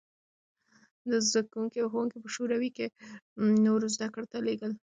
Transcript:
دوی زدکوونکي او ښوونکي په شوروي کې نورو زدکړو ته لېږل.